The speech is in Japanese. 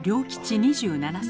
２７歳